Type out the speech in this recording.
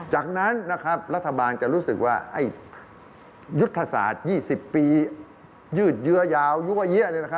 จากนั้นนะครับรัฐบาลจะรู้สึกว่ายุทธศาสตร์๒๐ปี